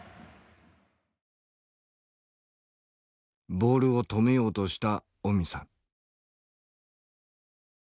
ボールを止めようとしたオミさん。